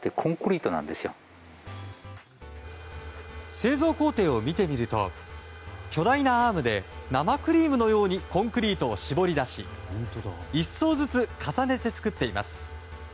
製造工程を見てみると巨大なアームで生クリームのようにコンクリートを絞り出し１層ずつ重ねて造っています。